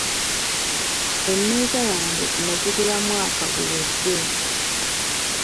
Emmeeza yange nagigula mwaka guwedde.